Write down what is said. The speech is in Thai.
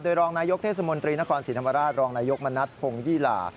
โดยรองนายกเทศมนตรีนครศรีธรรมราชรองนายกมณัฐพงยี่หล่า